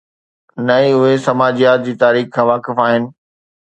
نه ئي اهي سماجيات جي تاريخ کان واقف آهن.